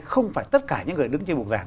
không phải tất cả những người đứng trên bục giảng